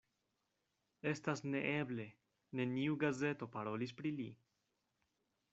Estas neeble: neniu gazeto parolis pri li.